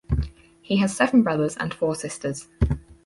He has seven brothers and four sisters.